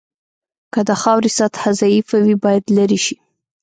که د خاورې سطحه ضعیفه وي باید لرې شي